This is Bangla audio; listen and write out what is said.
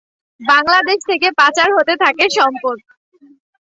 বাংলাদেশ থেকে পাচার হতে থাকে সম্পদ।